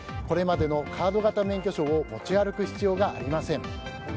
これまでのカード型免許証を持ち歩く必要がありません。